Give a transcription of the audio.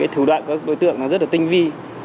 thủ đoạn của đối tượng rất tinh vi